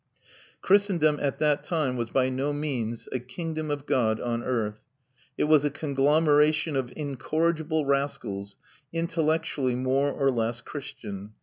Christendom at that time was by no means a kingdom of God on earth; it was a conglomeration of incorrigible rascals, intellectually more or less Christian.